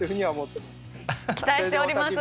期待しております。